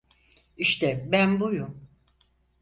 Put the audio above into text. İşte ben buyum.